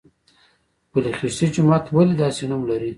پل خشتي جومات ولې داسې نوم لري؟